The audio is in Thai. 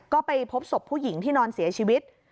ก็ไปพบศพผู้หญิงที่นอนเสียชีวิต